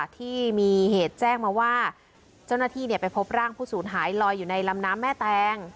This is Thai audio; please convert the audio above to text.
ที่มีเหตุแจ้งมาว่าเจ้าหน้าที่ไปพบร่างผู้สูญหายลอยอยู่ในลำน้ำแม่แตง